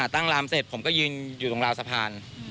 รามเสร็จผมก็ยืนอยู่ตรงราวสะพาน